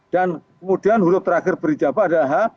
dan kemudian huruf terakhir berijabah adalah